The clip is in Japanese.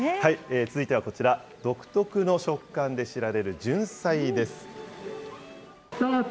続いてはこちら、独特の食感で知られるジュンサイです。